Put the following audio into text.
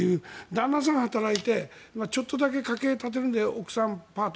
旦那さんが働いてちょっとだけ家計を助けるので奥さん、パート。